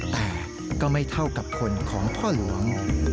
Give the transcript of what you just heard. แต่ก็ไม่เท่ากับคนของพ่อหลวง